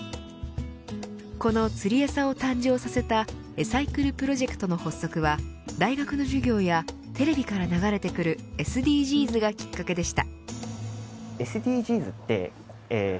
この釣りえさを誕生させたエサイクルプロジェクトの発足は大学の授業や、テレビから流れてくるＳＤＧｓがきっかけでした。